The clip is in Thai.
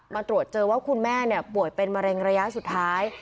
มาตรวจเจอว่าคุณแม่ป่วยเป็นมะเร็งระยะสุดท้าย